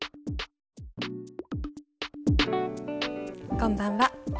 こんばんは。